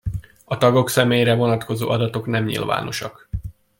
A tagok személyére vonatkozó adatok nem nyilvánosak.